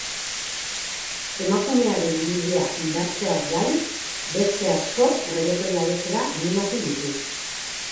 Emakumearen irudia indartzeaz gain, beste asko regetoia abestera animatu ditu.